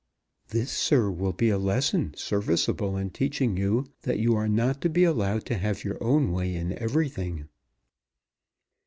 "This, sir, will be a lesson serviceable in teaching you that you are not to be allowed to have your own way in everything."